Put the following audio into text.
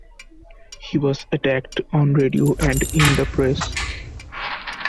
He was attacked on radio and in the press.